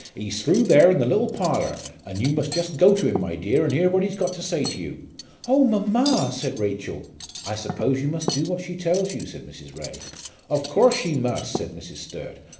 "He's through there in the little parlour, and you must just go to him, my dear, and hear what he's got to say to you." "Oh, mamma!" said Rachel. "I suppose you must do what she tells you," said Mrs. Ray. "Of course she must," said Mrs. Sturt.